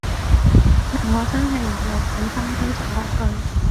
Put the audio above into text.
但我真係有畀心機做好佢